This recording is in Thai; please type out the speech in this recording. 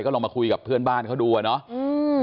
ลองมาคุยกับเพื่อนบ้านเขาดูอ่ะเนาะ